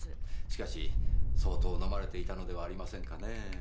しかし相当飲まれていたのではありませんかねぇ。